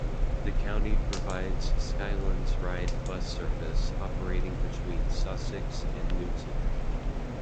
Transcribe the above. The county provides Skylands Ride bus service operating between Sussex and Newton.